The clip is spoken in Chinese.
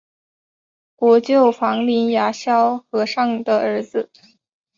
国舅房林牙萧和尚的儿子。